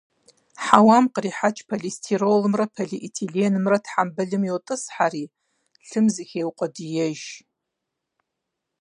Хьэуам кърихьэкӀ полистиролымрэ полиэтиленымрэ тхьэмбылым йотӀысхьэри, лъым зыхеукъуэдиеж.